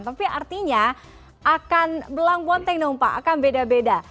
tapi artinya akan belang bonteng dong pak akan beda beda